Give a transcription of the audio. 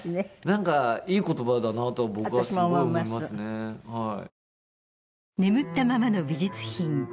なんかいい言葉だなと僕はすごい思いますねはい。